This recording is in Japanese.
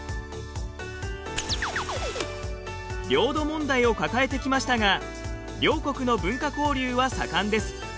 領土問題を抱えてきましたが両国の文化交流は盛んです。